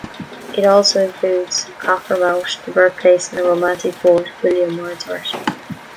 It also includes Cockermouth, the birthplace of the romantic poet William Wordsworth.